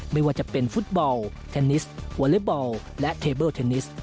ไม่ว่าจะเป็นฟุตบอลเทนนิสวอเล็บอลและเทเบิลเทนนิส